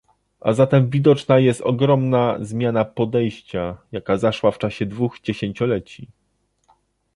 A zatem widoczna jest ogromna zmiana podejścia, jaka zaszła w czasie dwóch dziesięcioleci